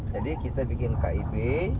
jadi kita bikin kib